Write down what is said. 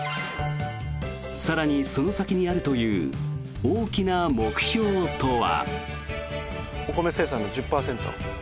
更に、その先にあるという大きな目標とは。